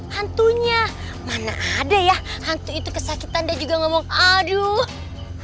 hantunya mana ada ya hantu itu kesakitan dan juga ngomong aduh